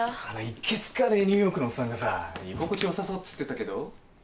あのいけすかねえニューヨークのおっさんがさ居心地良さそうっつってたけど。